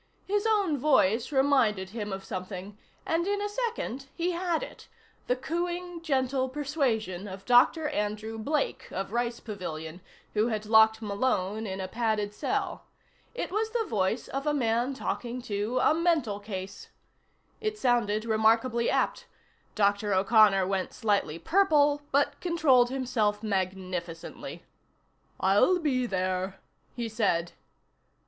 His own voice reminded him of something, and in a second he had it: the cooing, gentle persuasion of Dr. Andrew Blake of Rice Pavilion, who had locked Malone in a padded cell. It was the voice of a man talking to a mental case. It sounded remarkably apt. Dr. O'Connor went slightly purple, but controlled himself magnificently. "I'll be there," he said.